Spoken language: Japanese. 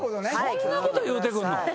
そんなこと言うて来るの？